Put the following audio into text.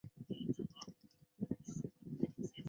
会议经审议